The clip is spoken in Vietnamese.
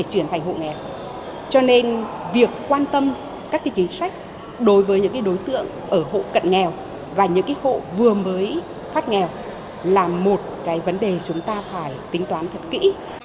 hộ cận nghèo và những hộ vừa mới thoát nghèo là một vấn đề chúng ta phải tính toán thật kỹ